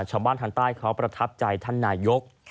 ชาวบ้านธังใต้เขาประทับใจท่านนายก